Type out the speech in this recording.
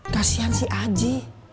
kasihan si aji